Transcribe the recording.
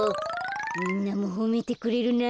みんなもほめてくれるな。